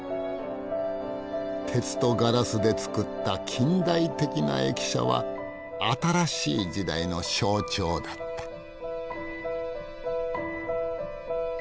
鉄とガラスで作った近代的な駅舎は新しい時代の象徴だった。